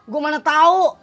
gua mana tau